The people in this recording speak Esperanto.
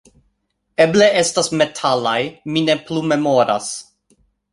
Eble estas metalaj, mi ne plu memoras